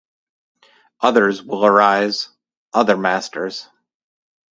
Others will arise — other masters.